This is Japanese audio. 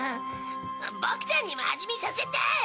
ボクちゃんにも味見させて！